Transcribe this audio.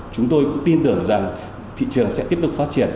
chúng tôi tin tưởng rằng thị trường sẽ tiếp tục phát triển